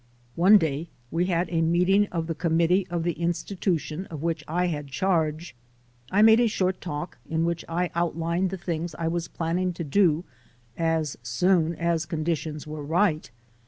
One day we had a meeting of 288THE SOUL OF AN IMMIGRANT the committee of the institution of which I had charge. I made a short talk in which I outlined the things I was planning to do as soon as conditions were right.